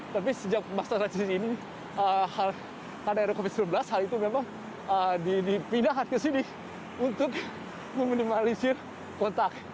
tapi sejak masa transisi ini karena era covid sembilan belas hal itu memang dipindahkan ke sini untuk meminimalisir kontak